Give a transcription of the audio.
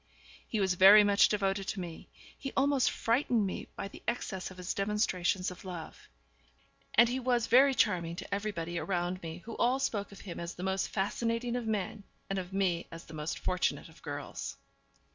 He was very much devoted to me; he almost frightened me by the excess of his demonstrations of love. And he was very charming to everybody around me, who all spoke of him as the most fascinating of men, and of me as the most fortunate of girls.